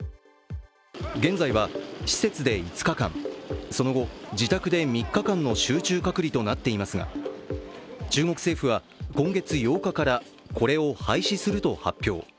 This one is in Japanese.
現在は施設で５日間、その後自宅で３日間の集中隔離となっていますが中国政府は今月８日からこれを廃止すると発表。